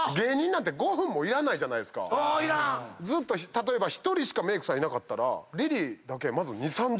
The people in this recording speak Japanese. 例えば１人しかメイクさんいなかったらリリーだけまず。